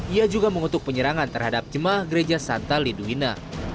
ia juga mengutuk penyerangan terhadap jemaah gereja santa lidwina